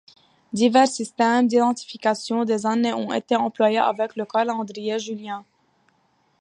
Divers systèmes d'identification des années ont été employés avec le calendrier julien.